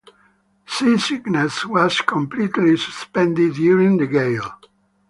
Sea-sickness was completely suspended during the gale.